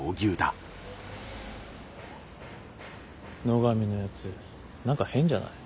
野上のやつ何か変じゃない？